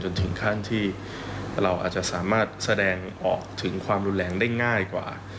ถึงขั้นที่เราอาจจะสามารถแสดงออกถึงความรุนแรงได้ง่ายกว่า